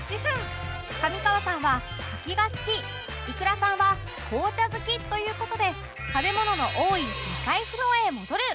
上川さんは柿が好き ｉｋｕｒａ さんは紅茶好きという事で食べ物の多い２階フロアへ戻る